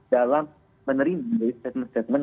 dalam menerima statement statement